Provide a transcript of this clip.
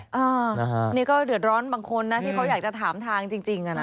อันนี้ก็เดือดร้อนบางคนนะที่เขาอยากจะถามทางจริง